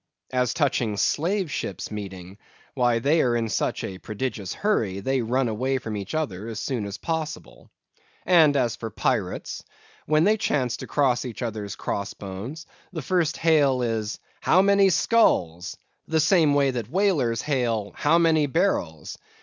As touching Slave ships meeting, why, they are in such a prodigious hurry, they run away from each other as soon as possible. And as for Pirates, when they chance to cross each other's cross bones, the first hail is—"How many skulls?"—the same way that whalers hail—"How many barrels?"